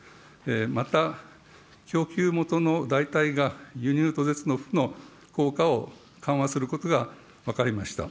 また供給元の代替が輸入途絶の負の効果を緩和することが分かりました。